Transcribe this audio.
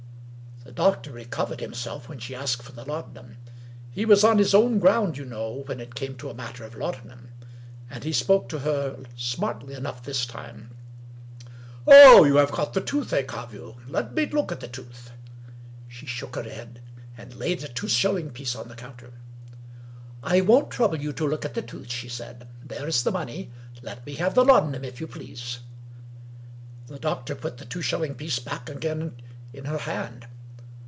The doctor recovered himself when she asked for the laudanum. He was on his own ground, you know, when it came to a matter of laudanum; and he spoke to her smartly enough this time. " Oh, you have got the toothache, have you? Let me look at the tooth." She shook her head, and laid a two shilling piece on the counter. " I won't trouble you to look at the tooth," she said. " There is the money. Let me have the lauda num, if you please." The doctor put the two shilling piece back again in her hand.